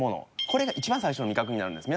これが一番最初の味覚になるんです。